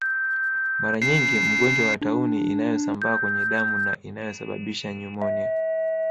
Mara nyingi mgonjwa wa tauni inayosambaa kwenye damu na inayosababisha nyumonia